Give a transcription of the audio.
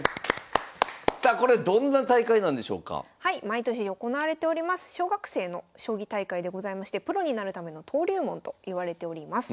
毎年行われております小学生の将棋大会でございましてプロになるための登竜門といわれております。